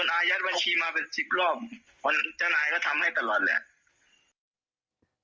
จ้านายก็ทำให้ตลอดแหละ